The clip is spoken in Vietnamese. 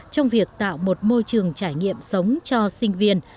trong việc tạo một môi trường trải nghiệm sống cho sinh viên